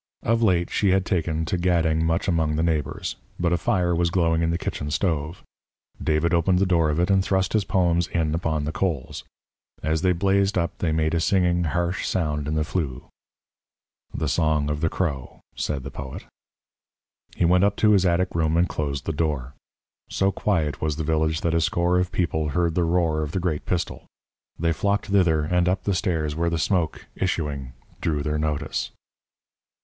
Of late she had taken to gadding much among the neighbours. But a fire was glowing in the kitchen stove. David opened the door of it and thrust his poems in upon the coals. As they blazed up they made a singing, harsh sound in the flue. "The song of the crow!" said the poet. He went up to his attic room and closed the door. So quiet was the village that a score of people heard the roar of the great pistol. They flocked thither, and up the stairs where the smoke, issuing, drew their notice.